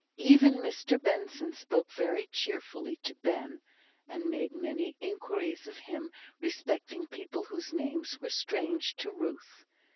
Even Mr Benson spoke very cheerfully to Ben, and made many inquiries of him respecting people whose names were strange to Ruth.